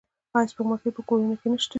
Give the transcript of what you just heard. آیا سپوږمکۍ په کورونو کې نشته؟